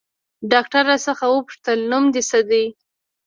ډاکتر راڅخه وپوښتل نوم دې څه ديه.